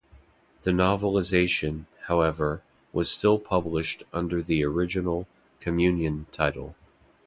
The novelization, however, was still published under the original "Communion" title.